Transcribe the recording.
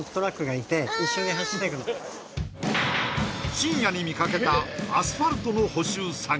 深夜に見かけたアスファルトの補修作業